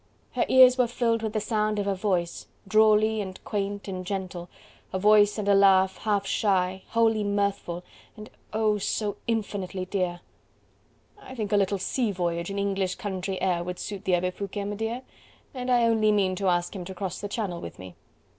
Her ears were filled with the sound of a voice, drawly and quaint and gentle, a voice and a laugh half shy, wholly mirthful, and oh! so infinitely dear: "I think a little sea voyage and English country air would suit the Abbe Foucquet, m'dear, and I only mean to ask him to cross the Channel with me..."